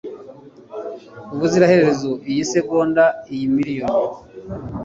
ubuziraherezo iyi segonda iyi miliyoni